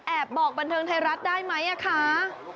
บอกบันเทิงไทยรัฐได้ไหมคะ